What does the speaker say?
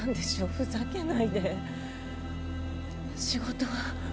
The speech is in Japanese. ふざけないで仕事は？